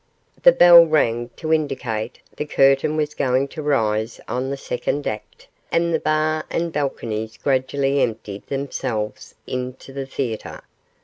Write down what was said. The bell rang to indicate the curtain was going to rise on the second act, and the bar and balconies gradually emptied themselves into the theatre.